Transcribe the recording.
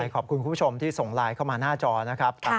ขอบคุณคุณผู้ชมที่ส่งไลน์เข้ามาหน้าจอนะครับ